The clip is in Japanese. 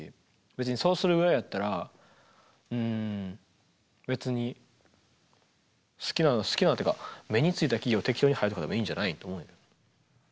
別にそうするぐらいだったらうん別に好きな好きなっていうか目についた企業適当に入るとかでもいいんじゃないのと思う。